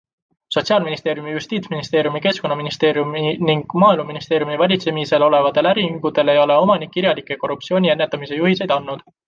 Sotsiaalministeeriumi, Justiitsministeeriumi, Keskkonnaministeeriumi ning Maaeluministeeriumi valitsemisel olevatele äriühingutele ei ole omanik kirjalikke korruptsiooni ennetamise juhiseid andnud.